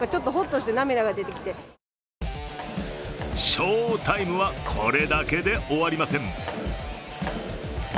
翔タイムはこれだけで終わりません。